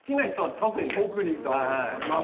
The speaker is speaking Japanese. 特に見たほうがいいと思います。